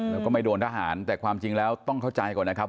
แล้วก็ไม่โดนทหารแต่ความจริงแล้วต้องเข้าใจก่อนนะครับ